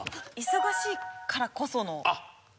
忙しいからこその。